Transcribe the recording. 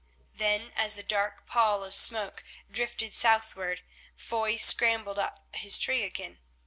Then as the dark pall of smoke drifted southward Foy scrambled up his tree again.